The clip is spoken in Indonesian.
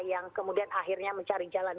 yang kemudian akhirnya mencari jalan